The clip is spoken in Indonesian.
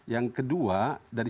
yang kedua dari